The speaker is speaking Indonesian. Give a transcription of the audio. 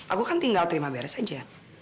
aku kan tinggal terima beres saja